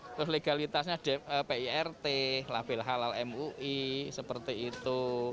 terus legalitasnya pirt label halal mui seperti itu